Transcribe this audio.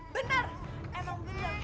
benar emang benar